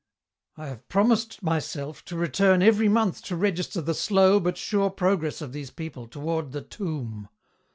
"I have promised myself to return every month to register the slow but sure progress of these people toward the tomb."